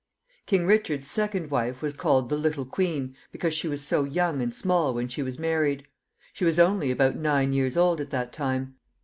King Richard's second wife was called the little queen, because she was so young and small when she was married. She was only about nine years old at that time.